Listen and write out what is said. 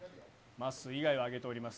まっすー以外は挙げております。